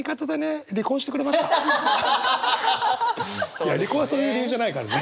いや離婚はそういう理由じゃないからね。